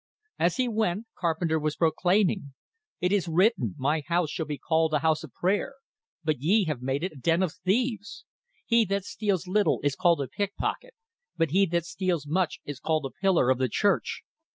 As he went, Carpenter was proclaiming: "It is written, My house shall be called a house of prayer; but ye have made it a den of thieves. He that steals little is called a pickpocket, but he that steals much is called a pillar of the church.